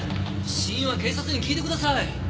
死因は警察に聞いてください！